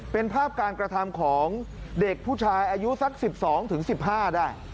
เป็นภาพการกระทำของเด็กผู้ชายอายุสัก๑๒๑๕ได้